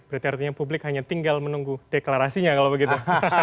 berarti artinya publik hanya tinggal menunggu deklarasinya kalau begitu